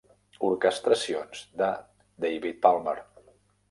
Orquestracions de David Palmer.